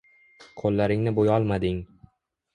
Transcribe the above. Qo’llaringni bo’yolmading